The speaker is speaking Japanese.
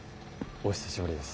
お久しぶりです。